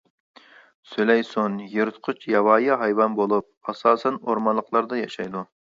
سۈلەيسۈن يىرتقۇچ ياۋايى ھايۋان بولۇپ، ئاساسەن ئورمانلىقلاردا ياشايدۇ.